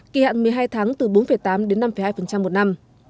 kỳ hạn một mươi hai tháng từ bốn tám đến năm hai một năm